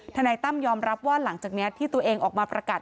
นายตั้มยอมรับว่าหลังจากนี้ที่ตัวเองออกมาประกาศ